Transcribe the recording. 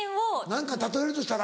何か例えるとしたら。